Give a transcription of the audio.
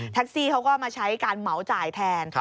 ซี่เขาก็มาใช้การเหมาจ่ายแทน